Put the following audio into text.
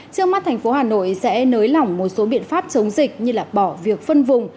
trước mắt thành phố hà nội sẽ nới lỏng một số biện pháp chống dịch như bỏ việc phân vùng